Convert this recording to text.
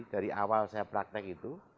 dari awal saya praktek itu